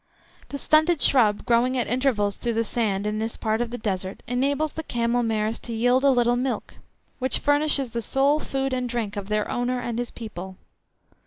The stunted shrub growing at intervals through the sand in this part of the Desert enables the camel mares to yield a little milk, which furnishes the sole food and drink of their owner and his people.